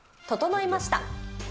整いました。